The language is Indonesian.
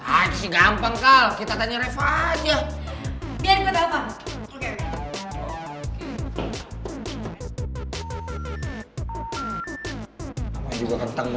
aksis gampang kal kita tanya reva aja biar gue telfon oke oke